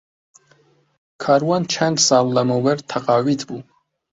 کاروان چەند ساڵ لەمەوبەر تەقاویت بوو.